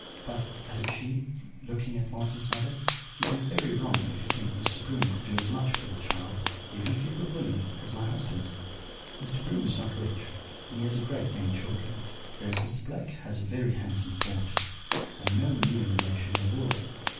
But,' added she, looking at Marten's mother, 'you do very wrong if you think Mr. Broom could do as much for the child (even if he were willing) as my husband. Mr. Broom is not rich, and he has a great many children; whereas Mr. Blake has a very handsome fortune, and no near relation in the world.